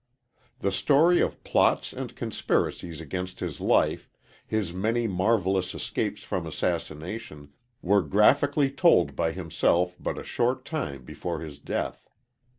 The story of plots and conspiracies against his life, his many marvelous escapes from assassination, were graphically told by himself but a short time before his death.